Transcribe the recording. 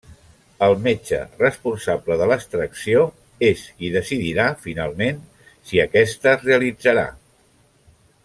El metge responsable de l'extracció és qui decidirà, finalment, si aquesta es realitzarà.